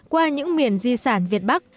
qua những miền di sản việt bắc